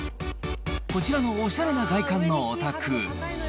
こちらのおしゃれな外観のお宅。